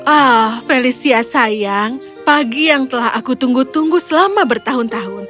ah felicia sayang pagi yang telah aku tunggu tunggu selama bertahun tahun